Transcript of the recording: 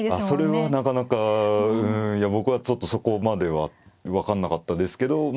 それはなかなか僕はちょっとそこまでは分かんなかったですけど。